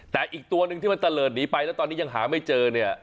แต่อีกตัวหนึ่งที่มันตะเลิศหนีไปแล้วตอนนี้ยังหาไม่เจอเนี่ย